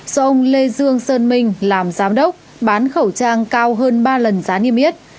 do ông lê dương sơn minh làm giám đốc bán khẩu trang cao hơn ba lần giá niêm yết